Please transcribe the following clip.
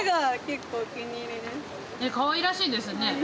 かわいらしいですね。